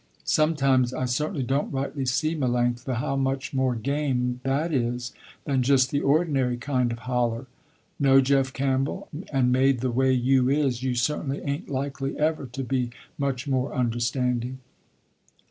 Sometimes I certainly don't rightly see Melanctha, how much more game that is than just the ordinary kind of holler." "No, Jeff Campbell, and made the way you is you certainly ain't likely ever to be much more understanding."